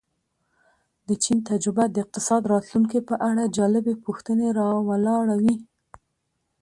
د چین تجربه د اقتصاد راتلونکې په اړه جالبې پوښتنې را ولاړوي.